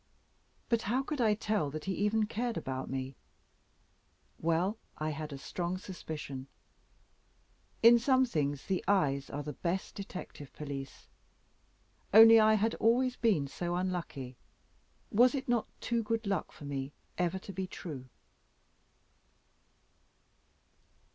But how could I tell that he even cared about me? Well, I had a strong suspicion. In some things the eyes are the best detective police. Only I had always been so unlucky. Was it not too good luck for me ever to be true?